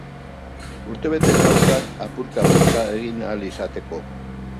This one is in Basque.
Urtebete daukat apurka-apurka egin ahal izateko.